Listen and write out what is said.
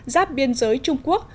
giáp biên giới trung quốc